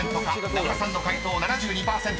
［名倉さんの解答７２％］